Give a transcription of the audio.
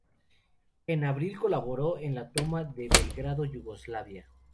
En abril colaboró en la toma de Belgrado, Yugoslavia.